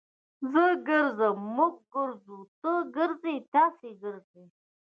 زه ګرځم. موږ ګرځو. تۀ ګرځې. تاسي ګرځئ.